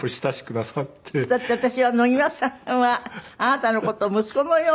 だって私は野際さんはあなたの事を息子のように。